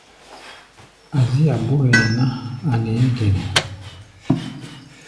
Azía bó hɛ̧ɛ̧ ná, a̧ nɛɛ́ gɛnɛ.